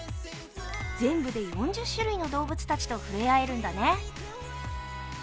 全部で４０種類の動物たちとふれあえるんだね。